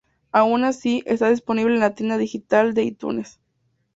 Aun así, está disponible en la tienda digital de iTunes.